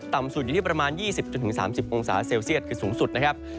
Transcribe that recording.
ต่ำสุดอยู่ที่ประมาณ๒๐๓๐องศาเซลเซียตคือสูงสุดนะครับ